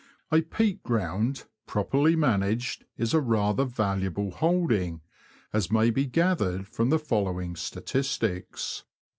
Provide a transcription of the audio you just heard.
A peat ground, properly managed, is a rather valuable holding, as may be gathered from the following statistics.